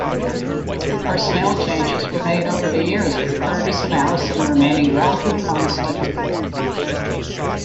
Personnel changes were made over the years, with Curtis and Allison remaining relative constants.